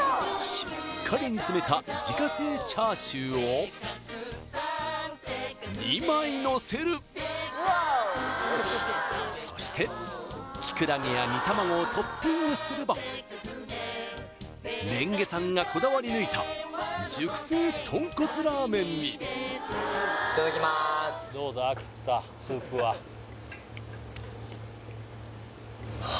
しっかり煮詰めた自家製チャーシューを２枚のせるそしてキクラゲや煮玉子をトッピングすればれんげさんがこだわり抜いた熟成豚骨ラーメンにいただきますあ